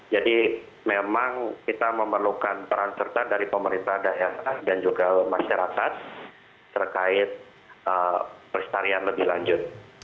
jadi kita membutuhkan peran serta dari pemerintah daerah dan juga masyarakat terkait peristarian lebih lanjut